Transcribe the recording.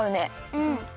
うん。